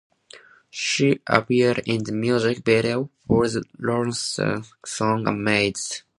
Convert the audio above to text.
She appeared in the music video for the Lonestar song Amazed.